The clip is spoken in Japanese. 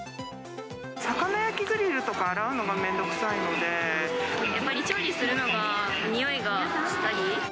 魚焼きグリルとか洗うのが面やっぱり調理するのが、においがしたり。